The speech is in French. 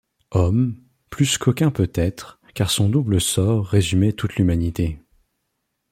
Homme, plus qu’aucun peut-être, car son double sort résumait toute l’humanité.